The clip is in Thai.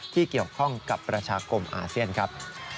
ที่เกี่ยวข้องกับประชาคมอาเซียนครับ